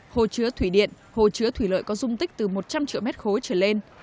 hai hồ chứa thủy điện hồ chứa thủy lợi có dung tích từ một trăm linh triệu mét khối trở lên